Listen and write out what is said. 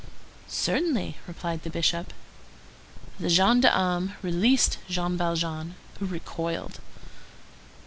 "Certainly," replied the Bishop. The gendarmes released Jean Valjean, who recoiled.